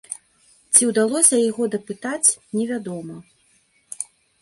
Ці ўдалося яго дапытаць, невядома.